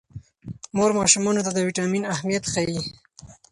مور ماشومانو ته د ویټامین اهمیت ښيي.